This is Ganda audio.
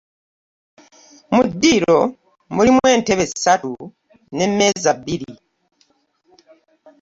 Mu ddiro mulimu entebe ssatu ne meeza bbiri.